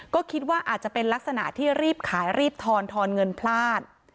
ก็คิดว่าอาจจะเป็นลักษณะที่รีบขายรีบทอนทอนเงินพลาด